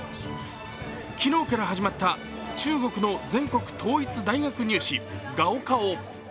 昨日から始まった中国の全国統一大学入試、高考。